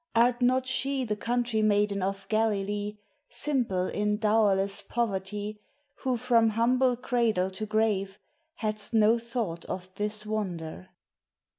Art not she The country maiden of Galilee Simple in dowerless poverty Who from humble cradle to grave Hadst no thought of this wonder?